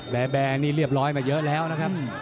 แบร์แบร์อันนี้เรียบร้อยมาเยอะแล้วนะครับ